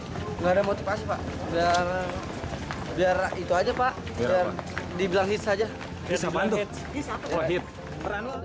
tidak ada motivasi pak biar itu saja pak biar dibilang hits saja